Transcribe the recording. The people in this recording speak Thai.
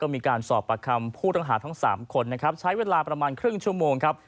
มีการสอบประคำผู้ต้องหาทั้ง๓คนนะครับใช้เวลาประมาณครึ่งชั่วโมงครับ